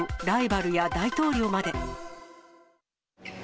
ライバルや大統領まで。